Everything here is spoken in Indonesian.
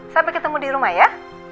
sampai ketemu di rumah ya